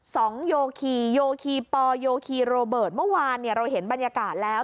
โยคีโยคีปอโยคีโรเบิร์ตเมื่อวานเนี่ยเราเห็นบรรยากาศแล้ว